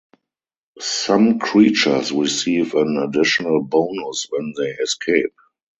Some creatures receive an additional bonus when they escape.